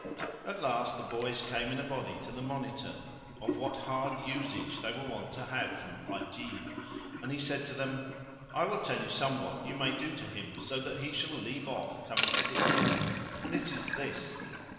At last the boys came in a body to complain to the Monitor [FN#448] of what hard usage they were wont to have from Ajib, and he said to them, "I will tell you somewhat you may do to him so that he shall leave off coming to the school, and it is this.